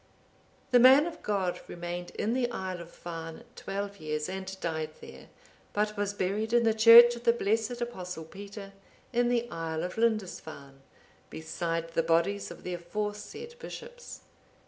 The man of God remained in the isle of Farne twelve years, and died there; but was buried in the church of the blessed Apostle Peter, in the isle of Lindisfarne, beside the bodies of the aforesaid bishops.